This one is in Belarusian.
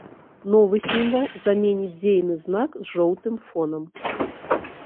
Новы сімвал заменіць дзейны знак з жоўтым фонам.